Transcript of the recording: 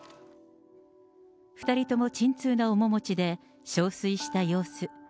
２人とも沈痛な面持ちで憔悴した様子。